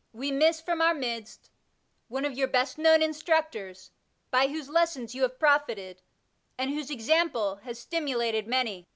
'' We miss from our midst one of your best known instructors, by whose lessons you have profited, and whose example has stimulated many.